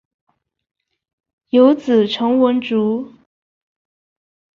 有子陈文烛。